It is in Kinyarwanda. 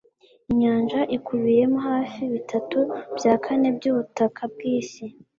inyanja ikubiyemo hafi bitatu bya kane by'ubutaka bw'isi